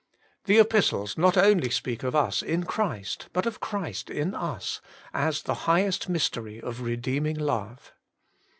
The Epistles not only speak of us in Christy but of Christ in ws, as the highest mystery of redeeming love.